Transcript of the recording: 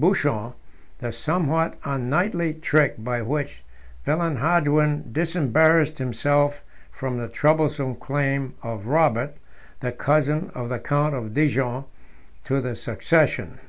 Buchon, the somewhat unknightly trick by which Villehardouin disembarrassed himself from the troublesome claim of Robert, the cousin of the count of Dijon. to the succession.